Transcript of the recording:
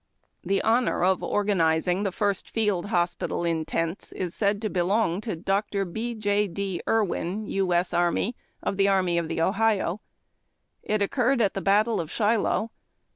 The honor of organizing the first field hospital in tents is said to belong to Dr. B. J. D. Irwin, U. S. A., of the Army of the Ohio. It occurred at the battle of Shiloh.